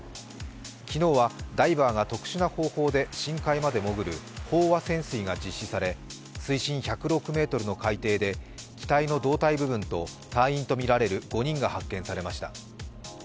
昨日はダイバーが特殊な方法で深海まで潜る飽和潜水が実施され、水深１０６ｍの海底で機体の胴体部分と、隊員とみられる５人が発見されました。